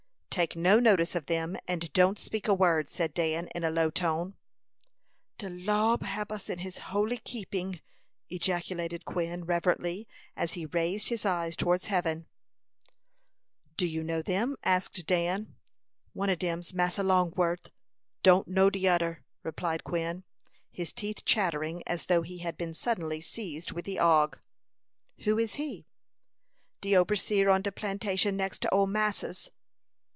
"Take no notice of them, and don't speak a word," said Dan, in a low tone. "De Lo'd hab us in his holy keeping!" ejaculated Quin, reverently, as he raised his eyes towards heaven. "Do you know them?" asked Dan. "One of dem's Massa Longworth; don't know de oder," replied Quin, his teeth chattering as though he had been suddenly seized with the ague. "Who is he?" "De oberseer on de plantation next to ole massa's."